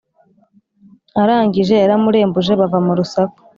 arangije yaramurembuje bava murusaku